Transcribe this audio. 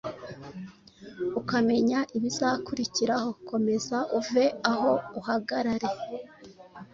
ukamenya ibizakurikiraho, komeza uve aho uhagarare